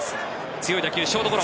強い打球、ショートゴロ。